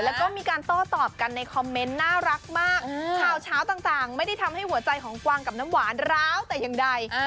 แล้วก็มีการโต้ตอบกันในคอมเมนต์น่ารักมากข่าวเช้าต่างไม่ได้ทำให้หัวใจของกวางกับน้ำหวานร้าวแต่อย่างใด